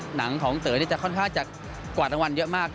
หนังของเต๋อนี่จะค่อนข้างจะกวาดรางวัลเยอะมาก